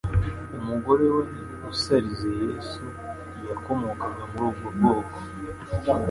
Umugore wari usarize Yesu yakomokaga muri ubwo bwoko.